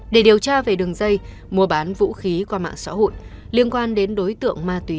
để điều tra về đường dây mua bán vũ khí qua mạng xã hội liên quan đến đối tượng ma túy